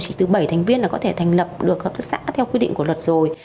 chỉ từ bảy thành viên là có thể thành lập được hợp tác xã theo quy định của luật rồi